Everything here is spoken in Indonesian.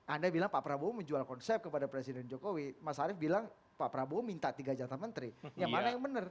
anda bilang pak prabowo menjual konsep kepada presiden jokowi mas arief bilang pak prabowo minta tiga jatah menteri yang mana yang benar